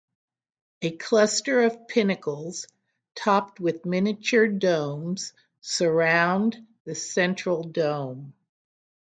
A cluster of pinnacles, topped with miniature domes surround the central dome.